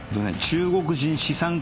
中国人の資産家。